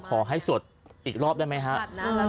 ขอให้สวดอีกรอบได้ไหมครับ